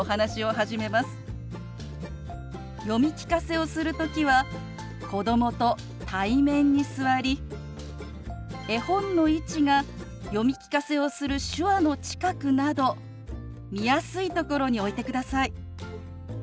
読み聞かせをする時は子どもと対面に座り絵本の位置が読み聞かせをする手話の近くなど見やすいところに置いてください。